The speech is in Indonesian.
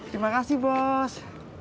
terima kasih bos